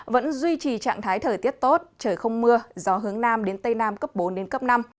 vẫn duy trì trạng thái thời tiết tốt trời không mưa gió hướng nam đến tây nam cấp bốn đến cấp năm